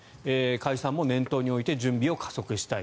解散も念頭に置いて準備を加速したい